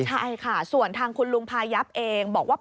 ใช่ค่ะส่วนทางคุณลุงพายับเองบอกว่า